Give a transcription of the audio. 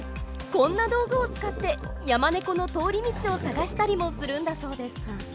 こんな道具を使ってヤマネコの通り道を探したりもするんだそうです。